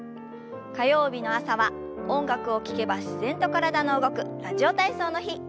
火曜日の朝は音楽を聞けば自然と体の動く「ラジオ体操」の日。